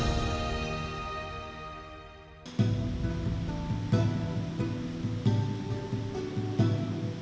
menjaga kekuatan yang terlalu besar